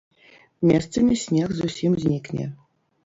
Месцамі снег зусім знікне.